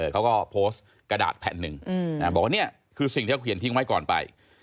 เขาก็โพสต์กระดาษแผ่นหนึ่งบอกว่านี่คือสิ่งที่เขาเขียนทิ้งไว้ก่อนไป